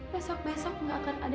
besok besok nggak akan ada